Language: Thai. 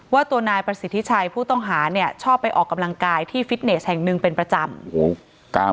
ว่าตัวนายประสิทธิชัยผู้ต้องหาเนี่ยชอบไปออกกำลังกายที่ฟิตเนสแห่งหนึ่งเป็นประจำ